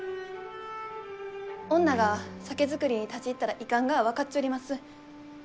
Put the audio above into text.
女が酒造りに立ち入ったらいかんがは分かっちょります。